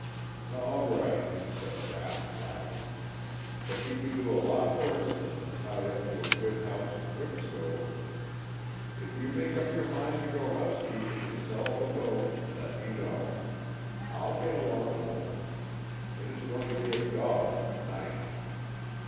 "All right," said Rapp, laughing, "but you could do a lot worse than tie up to a good house and cook stove. If you make up your mind to go housekeeping and to sell the boat, let me know. I'll get along home. It is going to be a dog of a night."